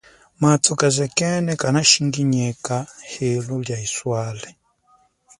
Mathu kazekene kanashinginyeka helu lia iswale.